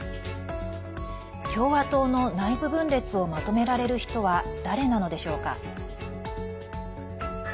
共和党の内部分裂をまとめられる人は誰なのでしょうか。